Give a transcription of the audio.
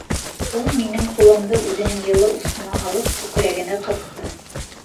Ул минең ҡулымды, үҙенең йылы усына алып, күкрәгенә ҡыҫты.